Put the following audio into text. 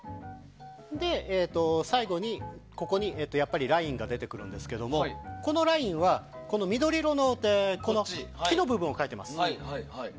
最後に、「ＬＩＮＥ」が出てくるんですけどもこの「ＬＩＮＥ」は緑色の木の部分を描いています。